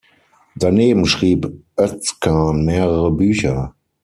Daneben schrieb Özkan mehrere Bücher.